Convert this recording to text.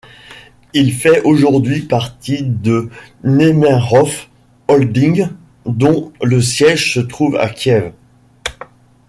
Il fait aujourd'hui partie de Nemiroff Holding, dont le siège se trouve à Kiev.